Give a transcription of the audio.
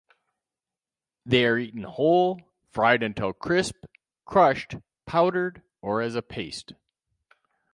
They are eaten whole, fried until crisp, crushed, powdered or as a paste.